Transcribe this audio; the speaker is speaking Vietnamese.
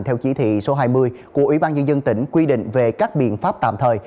theo chỉ thị số hai mươi của ủy ban nhân dân tỉnh quy định về các biện pháp tạm thời